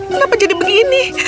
kenapa jadi begini